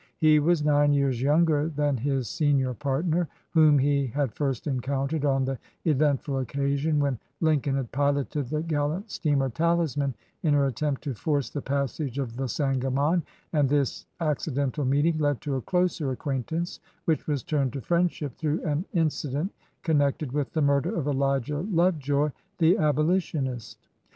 He was nine years younger than his senior partner, whom he had first encountered on the eventful occasion when Lincoln had piloted the gallant steamer Talisman in her attempt to force the passage of the Sangamon, and this acciden tal meeting led to a closer acquaintance, which was turned to friendship through an incident connected with the murder of Elijah Love joy, the Abolitionist.